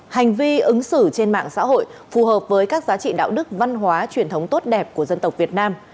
hành vi ứng xử trên mạng xã hội phù hợp với các giá trị đạo đức văn hóa truyền thống tốt đẹp của dân tộc việt nam